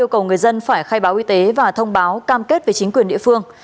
cầu người dân phải khai báo y tế và thông báo cam kết với chính quyền địa phương